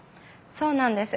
そうなんです。